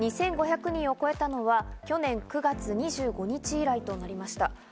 ２５００人を超えたのは去年９月２５日以来となりました。